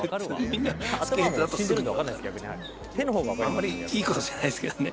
あんまりいいことじゃないですけどね